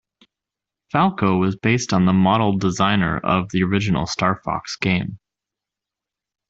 Falco was based on the model designer of the original "Star Fox" game.